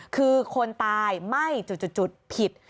คือคนตายไม่จุดผิด